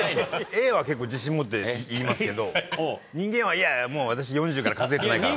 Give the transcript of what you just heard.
Ａは結構自信持って言いますけど人間は「いやもう私４０から数えてないから。」